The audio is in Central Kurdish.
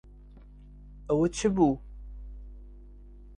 ئەوە چ بوو؟